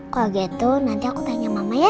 kalau gitu nanti aku tanya mama ya